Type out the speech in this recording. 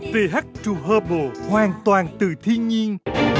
th true herbal hoàn toàn từ thiên nhiên